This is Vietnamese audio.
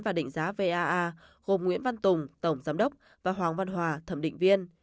và định giá vaa gồm nguyễn văn tùng tổng giám đốc và hoàng văn hòa thẩm định viên